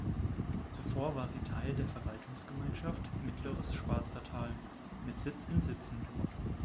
Zuvor war sie Teil der Verwaltungsgemeinschaft Mittleres Schwarzatal mit Sitz in Sitzendorf.